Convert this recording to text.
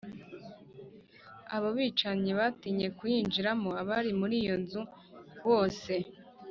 Abo bicanyi batinye kuyinjiramo abari muri iyo nzu bose